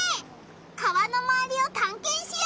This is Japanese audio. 川のまわりをたんけんしよう！